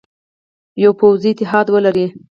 یوه پوځي اتحاد ولري.